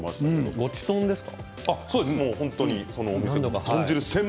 ごちとんですか。